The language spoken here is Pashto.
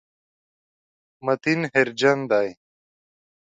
متین هېرجن دی.